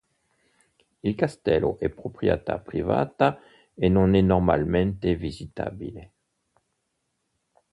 Il castello è proprietà privata e non è normalmente visitabile